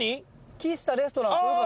「喫茶・レストランそよ風」。